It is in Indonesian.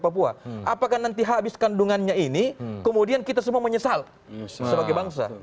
papua apakah nanti habis kandungannya ini kemudian kita semua menyesal sebagai bangsa